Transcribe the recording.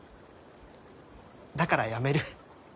だからやめる。